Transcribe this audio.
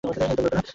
একদম নড়বে না!